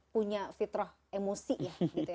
punya fitrah emosi ya